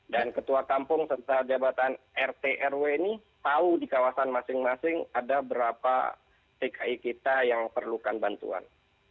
dan ketua kampung serta jabatan rt rw ini tahu di kawasan masing masing ada berapa tki kita yang perlukan bantuan